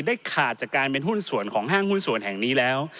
ขาดจากการเป็นหุ้นส่วนของห้างหุ้นส่วนแห่งนี้แล้ว